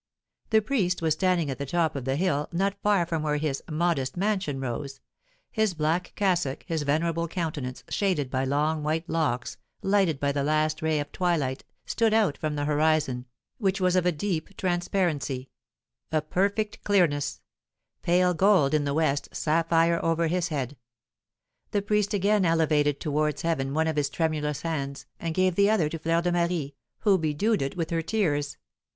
The priest was standing at the top of the hill, not far from where his "modest mansion rose;" his black cassock, his venerable countenance, shaded by long white locks, lighted by the last ray of twilight, stood out from the horizon, which was of a deep transparency, a perfect clearness: pale gold in the west, sapphire over his head. The priest again elevated towards heaven one of his tremulous hands, and gave the other to Fleur de Marie, who bedewed it with her tears.